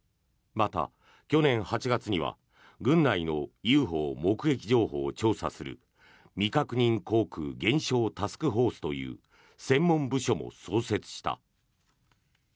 また、去年８月には軍内のＵＦＯ目撃情報を調査する未確認航空現象タスクフォースという専門部署も創設した。